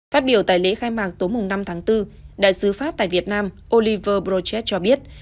phát biểu tại lễ khai mạc tối năm tháng bốn đại sứ pháp tại việt nam oliver prochet cho biết